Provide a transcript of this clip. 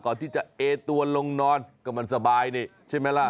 ที่จะเอตัวลงนอนก็มันสบายนี่ใช่ไหมล่ะ